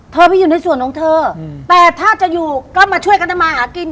ไปอยู่ในส่วนของเธอแต่ถ้าจะอยู่ก็มาช่วยกันทำมาหากิน